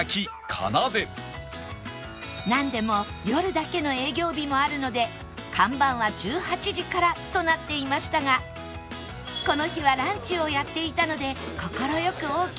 なんでも夜だけの営業日もあるので看板は１８時からとなっていましたがこの日はランチをやっていたので快くオーケーして頂きました